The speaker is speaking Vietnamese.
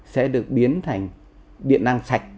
sẽ được biến thành điện năng sạch